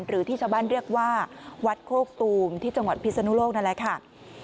หรือที่ชาวบ้านเรียกว่าวัดโคกตูมที่จังหวัดพิศนุโลกนั่นแหละค่ะ